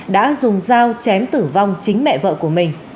đã dùng dao chém tử vong chính mẹ vợ của mình